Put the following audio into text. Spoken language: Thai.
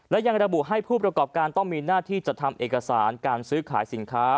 และยังระบุให้ผู้ประกอบการต้องมีหน้าที่จะทำเอกสารการซื้อขายสินค้า